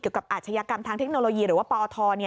กับอาชญากรรมทางเทคโนโลยีหรือว่าปอท